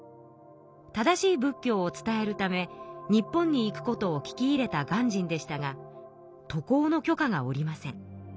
正しい仏教を伝えるため日本に行くことを聞き入れた鑑真でしたが渡航の許可が下りません。